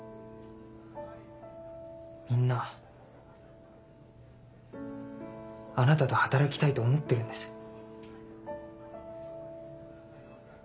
みんなあなたと働きたいと思ってるんです。